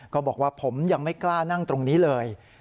บอกว่าผมยังไม่กล้านั่งตรงนี้เลย